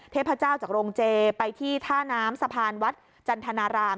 เทพเจ้าจากโรงเจไปที่ท่าน้ำสะพานวัดจันทนาราม